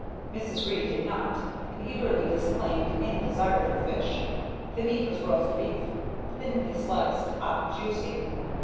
Mrs. Ree did not, and eagerly disclaimed any desire for fish. The meat was roast beef, thinly sliced, hot and juicy.